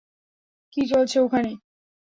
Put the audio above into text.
কী চলছে এখানে?